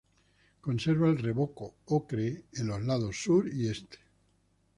Conserva el revoco, ocre, en los lados sur y este.